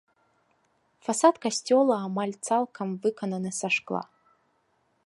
Фасад касцёла амаль цалкам выкананы са шкла.